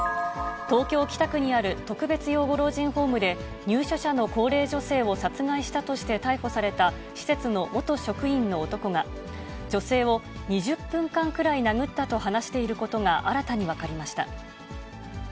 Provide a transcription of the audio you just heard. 東京・北区にある特別養護老人ホームで、入所者の高齢女性を殺害したとして逮捕された施設の元職員の男が、女性を２０分間くらい殴ったと話していることが新たに分かりました。